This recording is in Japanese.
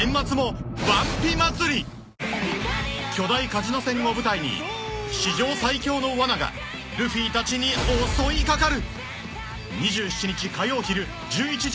［巨大カジノ船を舞台に史上最強のわながルフィたちに襲い掛かる！］